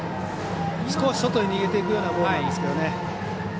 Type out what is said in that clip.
少し、外に逃げていくようなボールなんですけどね。